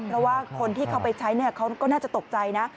เพราะว่าคนที่เขาไปใช้เขาก็น่าจะตกใจนะ